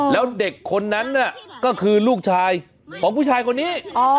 แล้วเด็กคนนั้นน่ะก็คือลูกชายของผู้ชายคนนี้